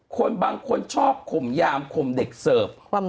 คนบางคนชอบข่มยามข่มเด็กเสิร์ฟ